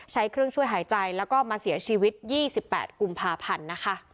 ใช้เครื่องช่วยหายใจแล้วก็มาเสียชีวิต๒๘กุมภาพันธ์นะคะ